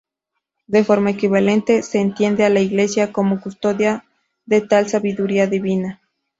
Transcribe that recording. De forma equivalente, se entiende a la Iglesia como custodia de tal Sabiduría divina.